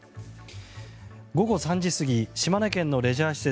午後３時過ぎ島根県のレジャー施設